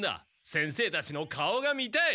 先生たちの顔が見たい！